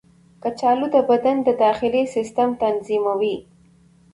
کچالو د بدن د داخلي سیسټم تنظیموي.